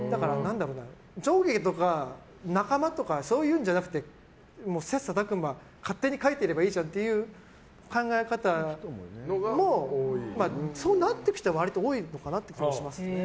上下とか仲間とかそういうんじゃなくて切磋琢磨、勝手に書いてればいいじゃんっていう考え方もそうなっていく人が割と多いのかなという気はします。